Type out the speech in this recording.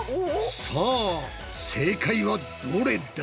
さあ正解はどれだ？